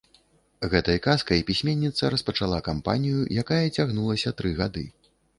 Гэтай казкай пісьменніца распачала кампанію, якая цягнулася тры гады.